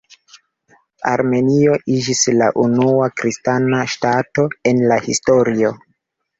Armenio iĝis la unua kristana ŝtato en la historio.